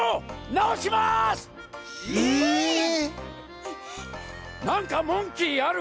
なんかモンキーある？